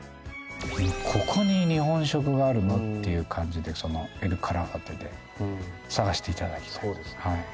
ここに日本食があるの？っていう感じでエル・カラファテで探していただきたい。